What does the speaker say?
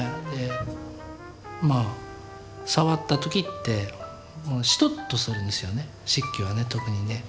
触った時ってしとっとするんですよね漆器はね特にね。